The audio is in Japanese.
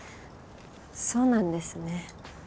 そうなんですね。